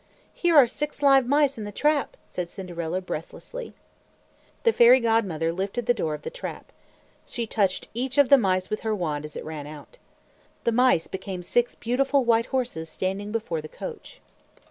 "Here are six live mice in the trap," said Cinderella breathlessly. The Fairy Godmother lifted the door of the trap. She touched each of the mice with her wand as it ran out. The mice became six beautiful white horses standing before the coach.